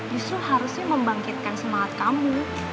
justru harusnya membangkitkan semangat kamu